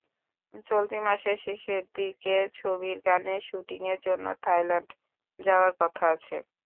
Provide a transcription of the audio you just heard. চলতি মাসের শেষের দিকে ছবির গানের শুটিংয়ের জন্য থাইল্যান্ডে যাওয়ার কথা আছে।